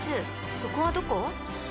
そこはどこ？］